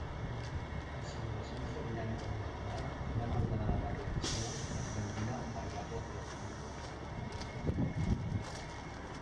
En simulacions de dinàmica molecular, una coordenada de reacció es denomina variable col·lectiva.